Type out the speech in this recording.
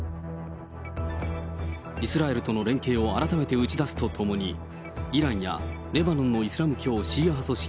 イスラエルとの連携を改めて打ち出すとともに、イランやレバノンのイスラム教シーア派組織